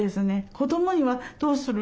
「子どもにはどうする？」